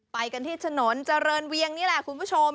ไปกันที่ถนนเจริญเวียงนี่แหละคุณผู้ชม